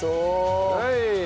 はい。